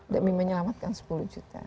demi menyelamatkan sepuluh juta